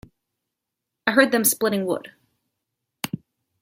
I heard them splitting wood.